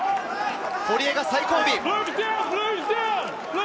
堀江が最後尾。